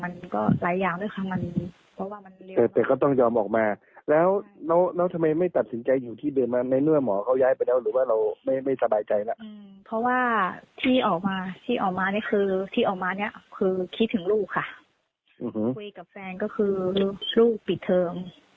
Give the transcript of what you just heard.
นี่ก็คือลูกปิดเทิม